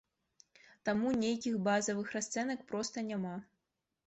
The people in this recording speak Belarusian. Таму нейкіх базавых расцэнак проста няма.